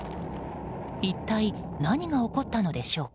一体何が起こったのでしょうか。